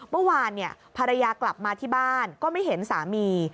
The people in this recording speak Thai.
เมื่อวานภรรยากลับมาที่บ้านก็ไม่เห็นสามี